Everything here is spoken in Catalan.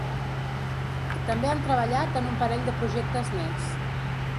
També han treballat en un parell de projectes més.